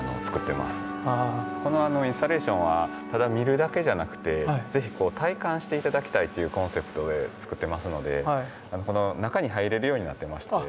このインスタレーションはただ見るだけじゃなくて是非こう体感して頂きたいというコンセプトで作ってますのでこの中に入れるようになってまして。